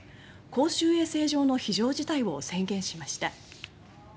「公衆衛生上の非常事態」を宣言しました。